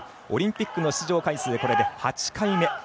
オリンピックの出場回数これで８回目。